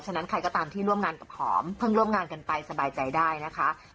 ฉะนั้นใครก็ตามที่ร่วมงานกับหอมเพิ่งร่วมงานกันไปสบายใจได้นะคะ